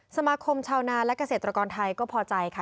สมาคมชาวนาและเกษตรกรไทยก็พอใจค่ะ